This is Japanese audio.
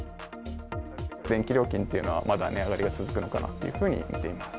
電気料金っていうのは、まだ値上がりが続くのかなというふうに見ています。